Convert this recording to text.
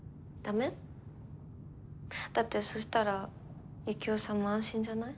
だってそしたらユキオさんも安心じゃない？